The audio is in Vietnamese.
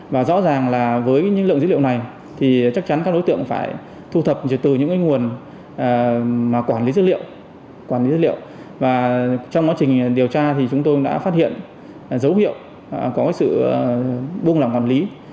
và trong quá trình điều tra thì chúng tôi đã phát hiện dấu hiệu có sự buông lỏng quản lý